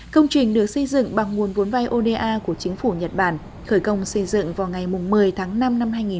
công trình được xây dựng bằng nguồn vốn vai oda của chính phủ nhật bản khởi công xây dựng vào ngày một mươi tháng năm năm hai nghìn một mươi